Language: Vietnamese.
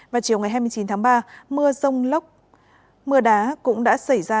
và chiều ngày hai mươi chín tháng ba mưa dông lốc mưa đá cũng đã xảy ra